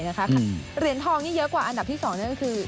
เหรียญทองนี่เยอะกว่าอันดับที่๒นั่นก็คือ